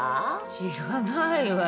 知らないわよ